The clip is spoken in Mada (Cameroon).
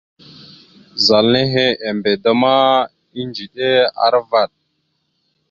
Zal nehe embe da ma, edziɗe aravaɗ.